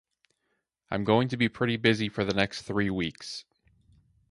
I'm going to be pretty busy for the next three weeks.